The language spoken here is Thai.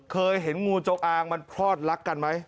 เคยเห็นงูจงอางมันพลอดรักกันไหม